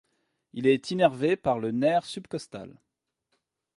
Il est innervé par le nerf subcostal.